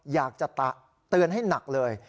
อยากจะเตือนให้หนักเลย